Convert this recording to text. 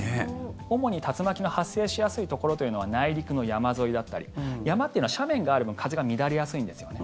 主に竜巻の発生しやすいところというのは内陸の山沿いだったり山というのは斜面がある分風が乱れやすいんですよね。